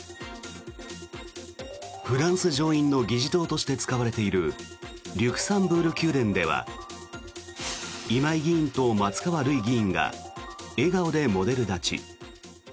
フランス上院の議事堂として使われているリュクサンブール宮殿では今井議員と松川るい議員が笑顔でモデル立ち。